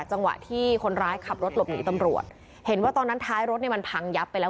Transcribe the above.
จังหวะที่คนร้ายขับรถหลบหนีตำรวจเห็นว่าตอนนั้นท้ายรถเนี่ยมันพังยับไปแล้ว